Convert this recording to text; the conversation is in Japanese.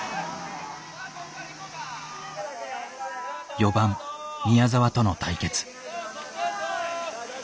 ４番宮澤との対決。